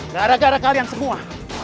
gara gara kalian semua